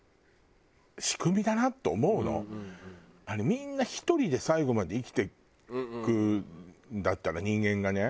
みんな１人で最後まで生きていくんだったら人間がね。